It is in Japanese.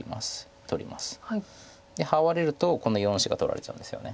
でハワれるとこの４子が取られちゃうんですよね。